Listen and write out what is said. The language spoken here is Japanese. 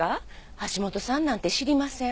橋本さんなんて知りません。